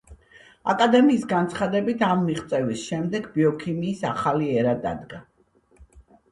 აკადემიის განცხადებით, ამ მიღწევის შემდეგ „ბიოქიმიის ახალი ერა“ დადგა.